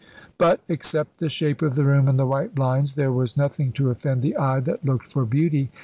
But, except the shape of the room and the white blinds, there was nothing to offend the eye that looked for beauty.